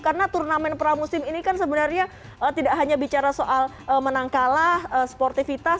karena turnamen pramusim ini kan sebenarnya tidak hanya bicara soal menang kalah sportivitas